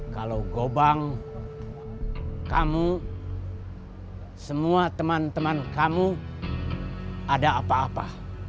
kalau gobang kamu semua teman teman kamu ada apa apa